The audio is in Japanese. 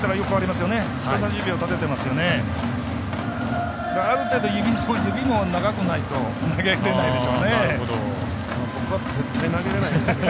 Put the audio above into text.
ある程度、指も長くないと投げられないですね。